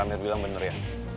ramir bilang bener ya